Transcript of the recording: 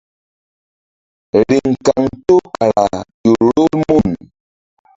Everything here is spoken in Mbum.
Riŋ kaŋto kara ƴo rol mun.